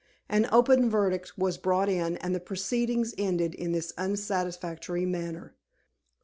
An open verdict was brought in, and the proceedings ended in this unsatisfactory manner.